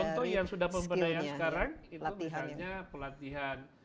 contoh yang sudah pemberdayaan sekarang itu misalnya pelatihan